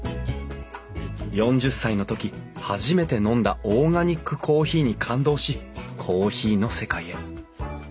４０歳の時初めて飲んだオーガニックコーヒーに感動しコーヒーの世界へ。